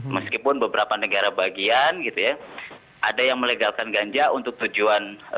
meskipun beberapa negara bagian gitu ya ada yang melegalkan ganja untuk tujuan